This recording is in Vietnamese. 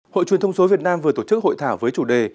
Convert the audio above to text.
hội truyền thông số việt nam vừa tổ chức hội thảo với chủ đề